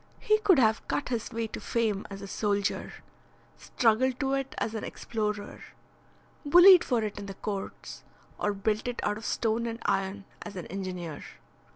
He could have cut his way to fame as a soldier, struggled to it as an explorer, bullied for it in the courts, or built it out of stone and iron as an engineer.